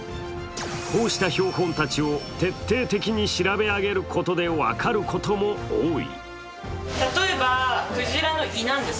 こうした標本たちを徹底的に調べ上げることで分かることも多い。